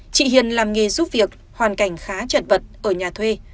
chị hiền làm nghề giúp việc hoàn cảnh khá chật vật ở nhà thuê